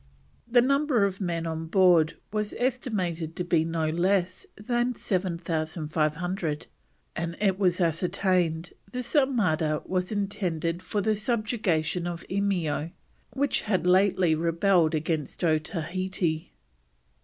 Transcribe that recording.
The number of men on board was estimated to be no less than 7,500, and it was ascertained this armada was intended for the subjugation of Eimeo which had lately rebelled against Otaheite.